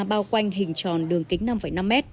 bao quanh hình tròn đường kính năm năm m